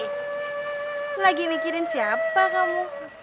lagi mikirin siapa kamu